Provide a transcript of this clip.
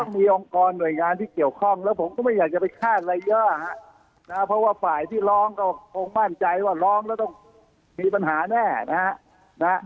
มีองค์กรหน่วยงานที่เกี่ยวข้องแล้วผมก็ไม่อยากจะไปคาดอะไรเยอะฮะเพราะว่าฝ่ายที่ร้องก็คงมั่นใจว่าร้องแล้วต้องมีปัญหาแน่นะฮะ